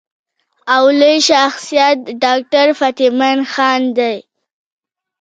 او لوئ شخصيت ډاکټر فتح مند خان دے ۔